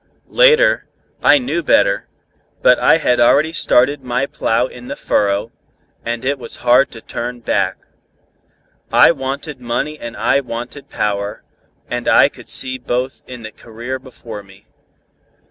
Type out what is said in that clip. Later, I knew better, but I had already started my plow in the furrow, and it was hard to turn back. I wanted money and I wanted power, and I could see both in the career before me.